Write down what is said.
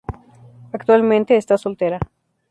Actualmente está soltera.